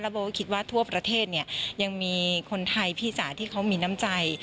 โบก็คิดว่าทั่วประเทศเนี่ยยังมีคนไทยพี่จ๋าที่เขามีน้ำใจ